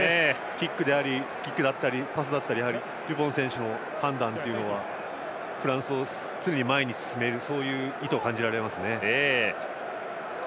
キックだったりパスだったりデュポン選手の判断というのはフランスを常に前に進めるそういう意図を感じられますね。